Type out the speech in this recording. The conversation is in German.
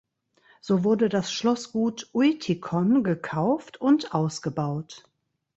So wurde das Schlossgut Uitikon gekauft und ausgebaut.